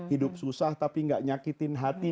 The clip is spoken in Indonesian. hidup susah tapi gak nyakitin hati